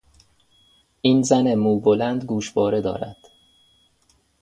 این زن مو بلند گوشواره دارد.